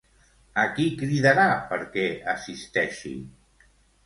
A qui cridarà perquè assisteixi?